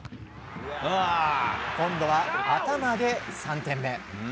今度は、頭で３点目。